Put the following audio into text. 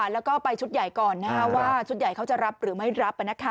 แล้วก็ไปชุดใหญ่ก่อนว่าชุดใหญ่เขาจะรับหรือไม่รับ